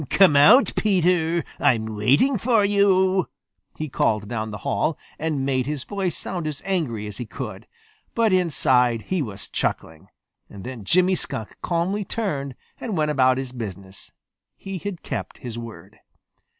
"Come out, Peter. I'm waiting for you!" he called down the hall, and made his voice sound as angry as he could. But inside he was chuckling. Then Jimmy Skunk calmly turned and went about his business. He had kept his word.